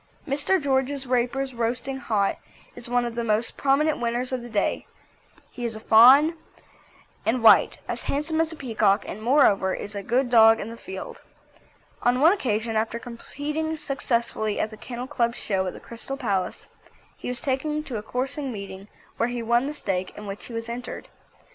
Mr. George Raper's Roasting Hot is one of the most prominent winners of the day; he is a fawn and white, as handsome as a peacock and, moreover, is a good dog in the field. On one occasion after competing successfully at the Kennel Club Show at the Crystal Palace, he was taken to a coursing meeting where he won the stake in which he was entered.